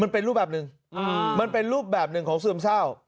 มันเป็นรูปแบบหนึ่งมันเป็นรูปแบบหนึ่งของซึมเศร้า